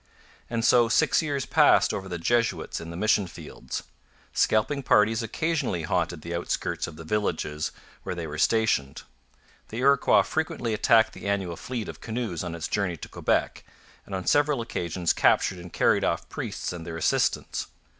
And so six years passed over the Jesuits in the mission fields. Scalping parties occasionally haunted the outskirts of the villages where they were stationed. The Iroquois frequently attacked the annual fleet of canoes on its journey to Quebec, and on several occasions captured and carried off priests and their assistants.